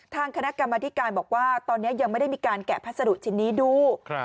ทางคณะกรรมธิการบอกว่าตอนนี้ยังไม่ได้มีการแกะพัสดุชิ้นนี้ดู